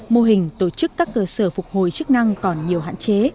mô hình tổ chức các cơ sở phục hồi chức năng còn nhiều hạn chế